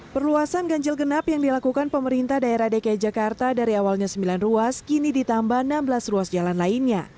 perluasan ganjil genap yang dilakukan pemerintah daerah dki jakarta dari awalnya sembilan ruas kini ditambah enam belas ruas jalan lainnya